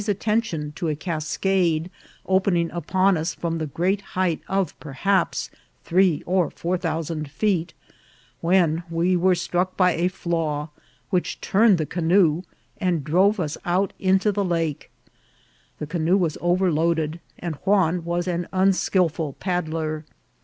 's attention to a cascade opening upon us from the great height of perhaps three or four thou sand feet, when we were struck by a flaw, which turned the canoe, and drove us out into the lake. The canoe was overloaded, and Juan was an unskilful paddler.